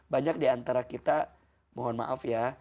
banyak diantara kita mohon maaf ya